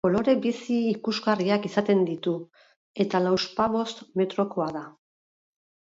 Kolore bizi ikusgarriak izaten ditu, eta lauzpabost metrokoa da.